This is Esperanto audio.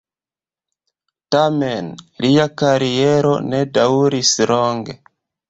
Tamen lia kariero ne daŭris longe.